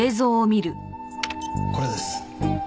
これです。